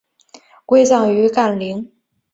归葬于干陵。